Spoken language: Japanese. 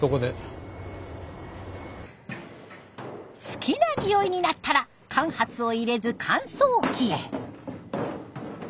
好きなにおいになったら間髪を入れず乾燥機へ。